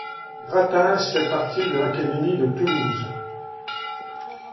Gratens fait partie de l'académie de Toulouse.